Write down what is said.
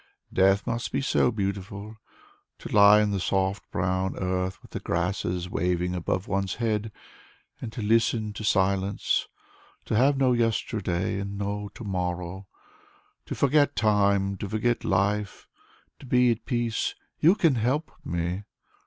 Death must be so beautiful. To lie in the soft brown earth, with the grasses waving above one's head, and listen to silence. To have no yesterday, and no to morrow. To forget time, to forget life, to be at peace. You can help me.